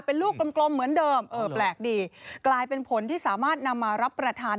เป็นลูกกลมกลมเหมือนเดิมเออแปลกดีกลายเป็นผลที่สามารถนำมารับประทาน